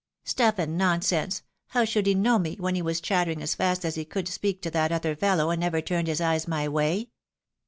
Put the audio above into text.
" Stuff and nonsense ! How should he know me, when he was chattering as fast as he could speak to that other fellow, and never turned his eyes my way